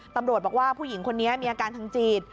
ตำรวจบอกว่าผู้หญิงคนนี้มีอาการทางจิต